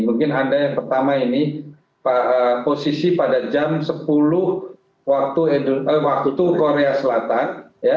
mungkin anda yang pertama ini posisi pada jam sepuluh waktu itu korea selatan